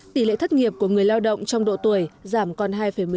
tỷ lệ thất nghiệp của người lao động trong độ tuổi giảm còn hai một mươi chín